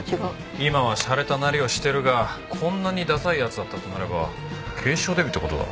今はしゃれたなりをしてるがこんなにださい奴だったとなれば警視庁デビューって事だろ。